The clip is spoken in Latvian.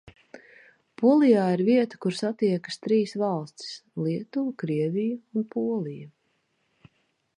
Polijā ir vieta, kur satiekas trīs valstis - Lietuva, Krievija un Polija.